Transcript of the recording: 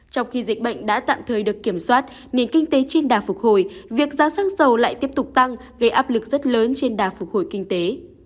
trong khi dịch bệnh đã tạm thời được kiểm soát nền kinh tế trên đà phục hồi việc giá xăng dầu lại tiếp tục tăng gây áp lực rất lớn trên đà phục hồi kinh tế